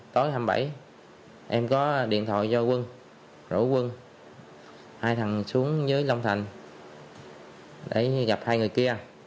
tối hai mươi bảy em có điện thoại cho quân rổ quân hai thằng xuống dưới long thành để gặp hai người kia